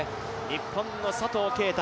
日本の佐藤圭汰